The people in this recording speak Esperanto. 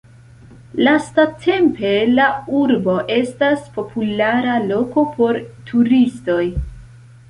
Lastatempe, la urbo estas populara loko por turistoj.